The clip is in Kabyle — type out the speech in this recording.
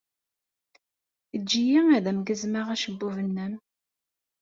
Eǧǧ-iyi ad am-gezmeɣ acebbub-nnem!